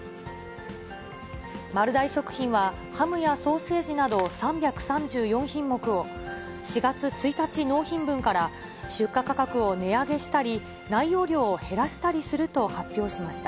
丸大食品は、ハムやソーセージなど３３４品目を、４月１日納品分から出荷価格を値上げしたり、内容量を減らしたりすると発表しました。